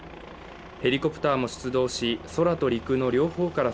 ヘリコプターも出動し空と陸の両方から